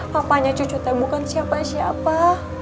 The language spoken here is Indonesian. papanya cucu saya bukan siapa siapa